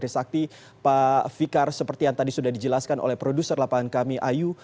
trisakti pak fikar seperti yang tadi sudah dijelaskan oleh produser lapangan kami ayu